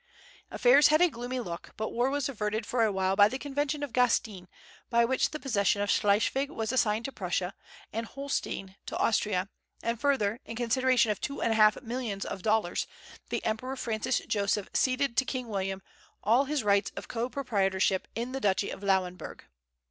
Affairs had a gloomy look; but war was averted for a while by the Convention of Gastein, by which the possession of Schleswig was assigned to Prussia, and Holstein to Austria; and further, in consideration of two and a half millions of dollars, the Emperor Francis Joseph ceded to King William all his rights of co proprietorship in the Duchy of Lauenburg.